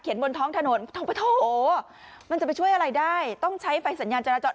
บนท้องถนนมันจะไปช่วยอะไรได้ต้องใช้ไฟสัญญาณจราจร